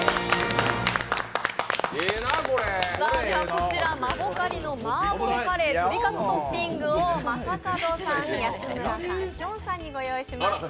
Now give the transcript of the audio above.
こちらマボカリの麻婆カレーとりカツトッピングを正門さん、安村さん、きょんさんにご用意しました。